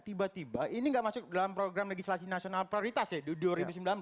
tiba tiba ini nggak masuk dalam program legislasi nasional prioritas ya di dua ribu sembilan belas